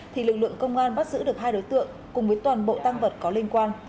thì lực lượng công an bắt giữ được hai đối tượng cùng với toàn bộ tăng vật có liên quan